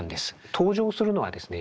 登場するのはですね